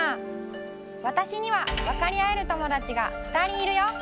わたしにはわかりあえる友だちがふたりいるよ！